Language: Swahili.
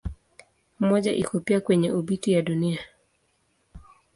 Mmoja iko pia kwenye obiti ya Dunia.